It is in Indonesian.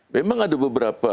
memang ada beberapa